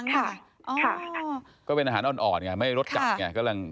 ทานได้ได้กินแล้วใช่มั้ยคะ